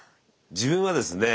自分はですね